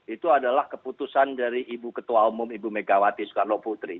itu adalah keputusan dari ibu ketua umum ibu megawati soekarno putri